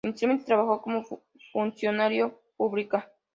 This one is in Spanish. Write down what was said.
Inicialmente trabajó como funcionaria pública.